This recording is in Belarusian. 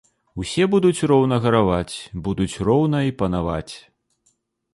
Усе будуць роўна гараваць, будуць роўна і панаваць.